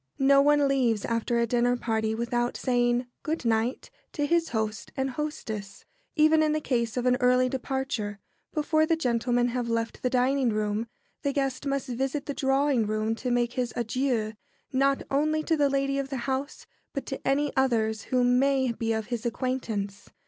No one leaves after a dinner party without saying "Good night" to his host and hostess. Even in the case of an early departure, before the gentlemen have left the dining room, the guest must visit the drawing room to make his adieux, not only to the lady of the house, but to any others who may be of his acquaintance.